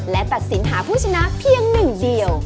และตัดสินหาผู้ชนะเพียงหนึ่งเดียว